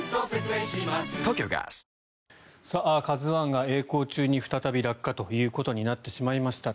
「ＫＡＺＵ１」がえい航中に再び落下ということになってしまいました。